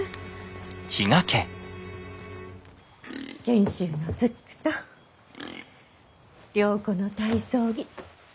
賢秀のズックと良子の体操着。